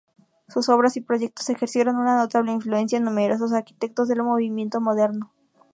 Sus obras y proyectos ejercieron una notable influencia en numerosos arquitectos del movimiento moderno.